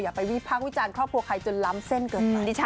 ไปวิพากษ์วิจารณ์ครอบครัวใครจนล้ำเส้นเกินไป